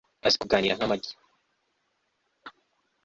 Azi Kuganira nka magi